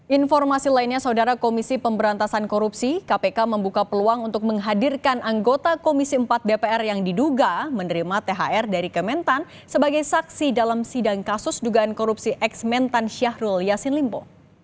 informasi lainnya saudara komisi pemberantasan korupsi kpk membuka peluang untuk menghadirkan anggota komisi empat dpr yang diduga menerima thr dari kementan sebagai saksi dalam sidang kasus dugaan korupsi eks mentan syahrul yassin limpo